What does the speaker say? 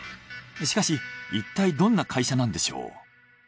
しかしいったいどんな会社なんでしょう？